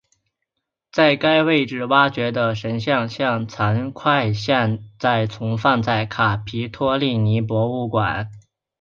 在该位置挖掘的神像残块现在存放在卡皮托利尼博物馆。